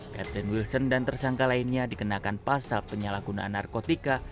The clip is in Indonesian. captain wilson dan tersangka lainnya dikenakan pasal penyalahgunaan narkotika